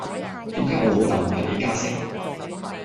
點解我老竇唔係李嘉誠